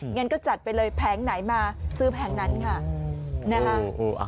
งั้นก็จัดไปเลยแผงไหนมาซื้อแผงนั้นค่ะนะฮะ